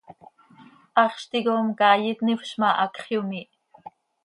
Haxz ticom caay itnifz ma, hacx yomiih.